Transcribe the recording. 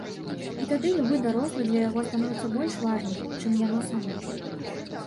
І тады любы дарослы для яго становіцца больш важным, чым яно само.